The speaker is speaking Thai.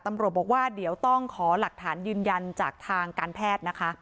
ตำรวจบอกว่าเดี๋ยวต้องขอหลักฐานยืนยันจากทางการแพทย์นะคะ